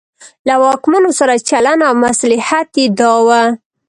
له واکمنو سره چلن او مصلحت یې دا و.